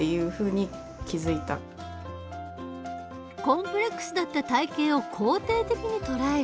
コンプレックスだった体型を肯定的に捉える。